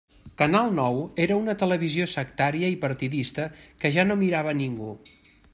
Canal Nou era una televisió sectària i partidista que ja no mirava ningú.